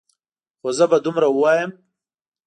خو زه به دومره ووایم.